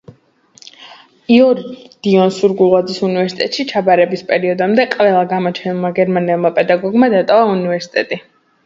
იროდიონ სურგულაძის უნივერსიტეტში ჩაბარების პერიოდამდე ყველა გამოჩენილმა გერმანელმა პედაგოგმა დატოვა უნივერსიტეტი.